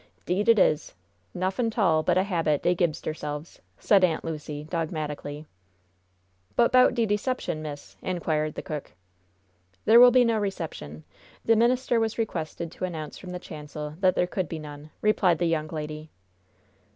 'Deed it is! Nuffin' 'tall but a habit dey gibs deirselves!" said Aunt Lucy, dogmatically. "But 'bout de deception, miss?" inquired the cook. "There will be no reception. The minister was requested to announce from the chancel that there could be none," replied the young lady.